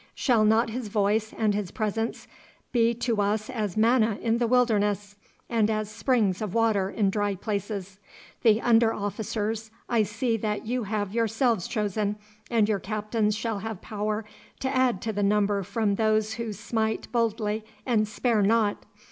Shall not his voice and his presence be to us as manna in the wilderness, and as springs of water in dry places? The under officers I see that you have yourselves chosen, and your captains shall have power to add to the number from those who smite boldly and spare not.